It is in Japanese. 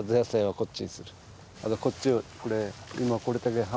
こっち